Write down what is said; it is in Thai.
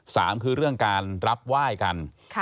สามคือเรื่องการรับไหว้กัน